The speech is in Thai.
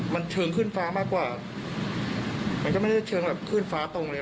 มันเชิงขึ้นฟ้ามากกว่ามันก็ไม่ได้เชิงแบบขึ้นฟ้าตรงเลย